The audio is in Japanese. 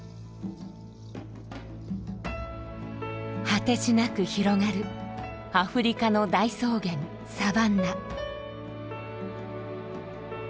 果てしなく広がるアフリカの大草原サバンナ。